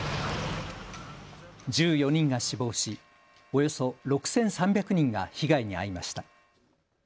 １４人が死亡しおよそ６３００人が被害に遭いました。